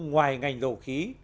ngoài ngành dầu khí